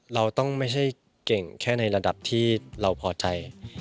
เราต้องไม่ใช่เก่งแค่ในระดับที่เราพอใจ